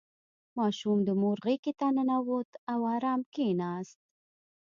• ماشوم د مور غېږې ته ننوت او آرام کښېناست.